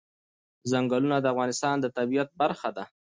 چنګلونه د افغانستان د طبیعت برخه ده.